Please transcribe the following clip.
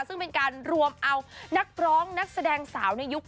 ซึ่งเป็นการรวมเอานักร้องนักแสดงสาวในยุค